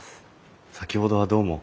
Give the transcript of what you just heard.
先ほどはどうも。